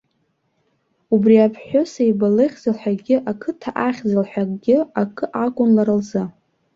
Убри аԥҳәысеиба лыхьӡ лҳәагьы, ақыҭа ахьӡ лҳәагьы акы акәын лара лзы.